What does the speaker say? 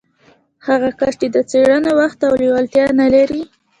هغه کس چې د څېړنې وخت او لېوالتيا نه لري.